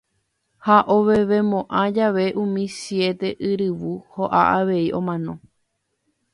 Ha ovevemo'ã jave umi siete yryvu ho'a avei omano.